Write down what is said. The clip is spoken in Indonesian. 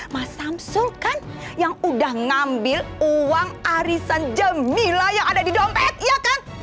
mas samsul kan yang udah ngambil uang arisan jemila yang ada di dompet iya kan